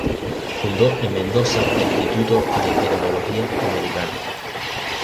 Fundó en Mendoza en Instituto de Etnología Americana.